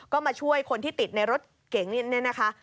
ก็มาช่วยคนที่ติดในรถเก๋งเนี่ยนะคะ